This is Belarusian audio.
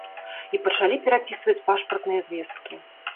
І пачалі перапісваць пашпартныя звесткі.